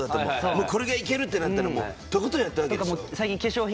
もうこれがいけるってなったらとことんやったわけでしょ？